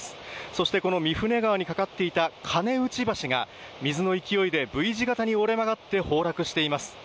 そして御船川に架かっていた金内橋が水の勢いでＶ字形に折れ曲がって崩落しています。